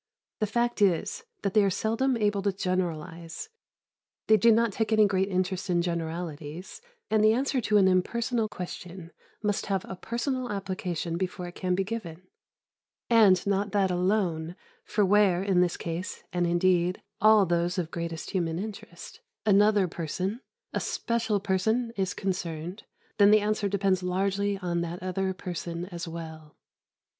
The fact is, that they are seldom able to generalise; they do not take any great interest in generalities, and the answer to an impersonal question must have a personal application before it can be given. And not that alone, for where, as in this case, and, indeed, all those of greatest human interest, another person, a special person, is concerned, then the answer depends largely on that other person as well.